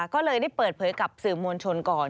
ก็เลยได้เปิดเผยกับสื่อมวลชนก่อน